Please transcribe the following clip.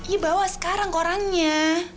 iya bawa sekarang ke orangnya